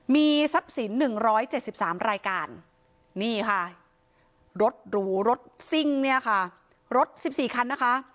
มีทรัพย์สิน๑๗๓รายการนี่ค่ะรถหรูรถซิ่งเนี่ยค่ะรถ๑๔คันนะคะ